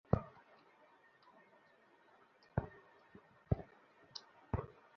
গতকাল রোববার সন্ধ্যায় খালাস নেওয়ার সময় ভারতীয় রুপিসহ কনটেইনার জব্দ করা হয়।